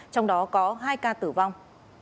trong đó có hai ca tử vong